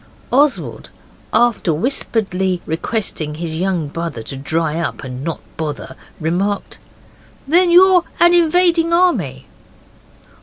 Oswald, after whisperedly requesting his young brother to dry up and not bother, remarked, 'Then you're an invading army?